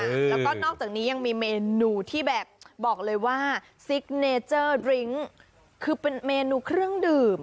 แล้วก็นอกจากนี้ยังมีเมนูที่แบบบอกเลยว่าคือเป็นเมนูเครื่องดื่ม